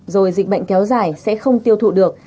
rồi dịch bệnh kéo dài sẽ không tiêu thụ được